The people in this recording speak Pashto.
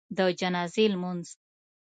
د جنازي لمونځ